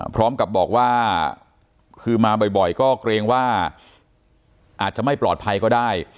พร้อมกับบอกว่าคือมาบ่อยก็เกรงว่าอาจจะไม่ปลอดภัยก็ได้